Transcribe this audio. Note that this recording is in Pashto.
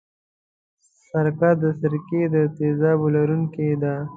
سرکه د سرکې د تیزابو لرونکې ده.